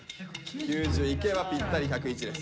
９０いけばぴったり１０１です。